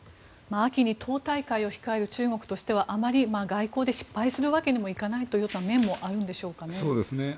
秋に党大会を控える中国としてはあまり、外交で失敗するわけにはいかない面もあるんでしょうか。